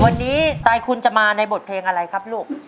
วันนี้ตายคุณจะมาในบทเพลงอะไรครับลูก